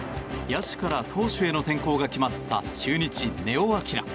野手から投手への転向が決まった中日、根尾昂。